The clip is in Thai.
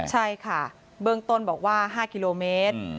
ใช่ค่ะเบื้องต้นบอกว่า๕กิโลเมตร